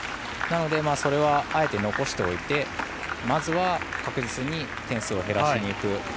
なのでそれはあえて残しておいてまず確実に点数を減らしにいく。